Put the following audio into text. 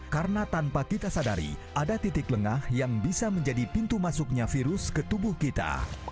karena tanpa kita sadari ada titik lengah yang bisa menjadi pintu masuknya virus ke tubuh kita